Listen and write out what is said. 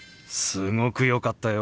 「すごく良かったよ」。